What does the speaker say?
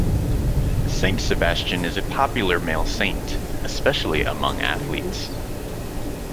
Saint Sebastian is a popular male saint, especially among athletes.